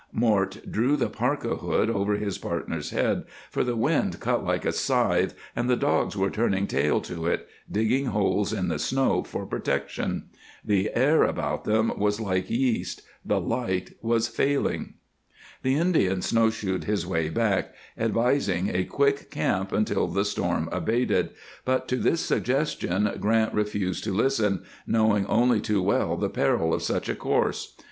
Mort drew the parka hood over his partner's head, for the wind cut like a scythe and the dogs were turning tail to it, digging holes in the snow for protection. The air about them was like yeast; the light was fading. The Indian snow shoed his way back, advising a quick camp until the storm abated, but to this suggestion Grant refused to listen, knowing only too well the peril of such a course.